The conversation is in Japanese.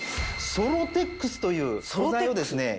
ソロテックスという素材を入れました。